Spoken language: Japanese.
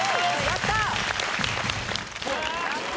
やった！